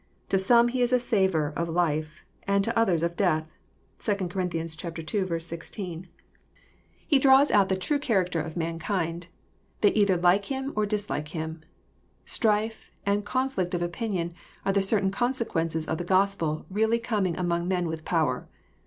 To some He is a savour of " life," and to others of ^* death." (3 Cor. ii. 16.) He draws out the true character of JOHN, CHAP. Vn. 13 mankind. They either like Him or dislike Him. Strife and conflict of opinion are the certain consequences of the Gosptl really coming among men with power.